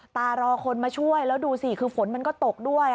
ตารอคนมาช่วยแล้วดูสิคือฝนมันก็ตกด้วย